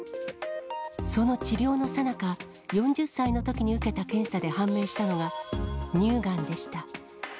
その治療のさなか、４０歳のときに受けた検査で判明したのが、乳がんでした。